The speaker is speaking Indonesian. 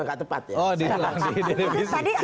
gak tepat ya oh di televisi